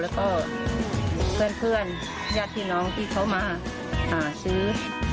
แล้วก็เพื่อนญาติพี่น้องที่เขามาหาซื้อ